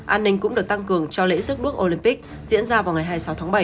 an ninh cũng được tăng cường cho lễ rước đuốc olympic diễn ra vào ngày hai mươi sáu tháng bảy